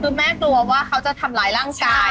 คือแม่กลัวว่าเขาจะทำร้ายร่างกาย